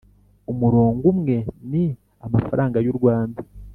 Umurongo umwe ni amafaranga y u rwanda